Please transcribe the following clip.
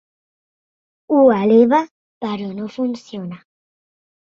Ho eleva però no funciona.